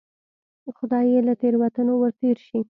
خدای یې له تېروتنو ورتېر شي.